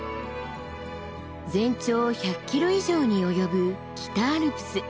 全長１００ｋｍ以上に及ぶ北アルプス。